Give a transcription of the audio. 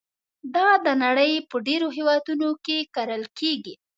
دا د نړۍ په ډېرو هېوادونو کې کرل کېږي.